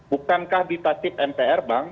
bukankah di tatip mpr bang